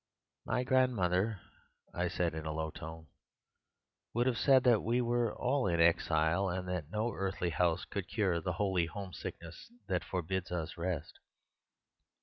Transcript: "'My grandmother,' I said in a low tone, 'would have said that we were all in exile, and that no earthly house could cure the holy home sickness that forbids us rest.